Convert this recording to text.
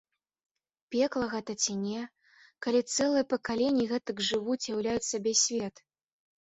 Пекла гэта ці не, калі цэлыя пакаленні гэтак жывуць і ўяўляюць сабе свет?